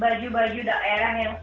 baju baju daerah yang